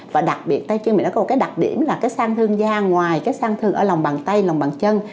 và đặc biệt tay chân miệng nó có một cái đặc điểm là cái sang thương da ngoài cái săn thương ở lòng bàn tay lòng bằng chân